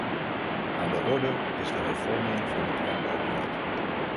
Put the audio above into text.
Aan de orde is de hervorming van het landbouwbeleid.